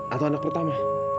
atau anak pertama